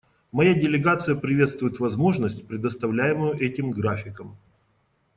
Моя делегация приветствует возможность, предоставляемую этим графиком.